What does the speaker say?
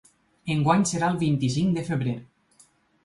Enguany serà el vint-i-cinc de febrer.